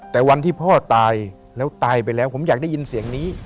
แต่วันที่พ่อตายแล้วตายไปแล้วผมอยากได้ยินเสียงนี้